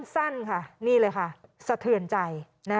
สั้นและสะเทื่อนใจ